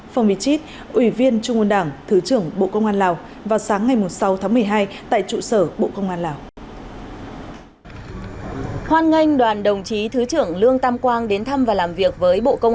phòng viện trích ủy viên trung ương đảng thứ trưởng bộ công an lào vào sáng ngày sáu tháng một mươi hai tại trụ sở bộ công an lào